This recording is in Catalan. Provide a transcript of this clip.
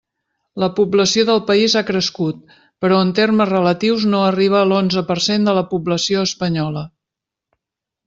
La població del País ha crescut però en termes relatius no arriba a l'onze per cent de la població espanyola.